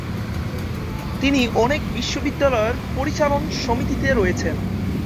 তিনি অনেক বিশ্ববিদ্যালয়ের পরিচালন সমিতিতে রয়েছেন।